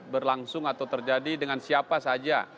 berlangsung atau terjadi dengan siapa saja